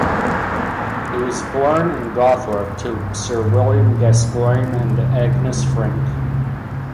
He was born in Gawthorp to Sir William Gascoigne and Agnes Franke.